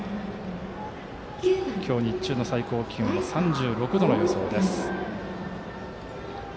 今日、日中の最高気温は３６度の予想です。